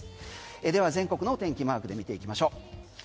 では全国のお天気マークで見ていきましょう。